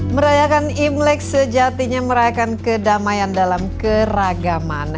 merayakan imlek sejatinya merayakan kedamaian dalam keragaman